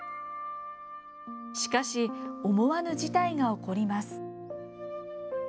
しかし思わぬ事態が起こります。